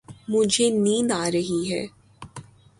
مجھے نیند آ رہی ہے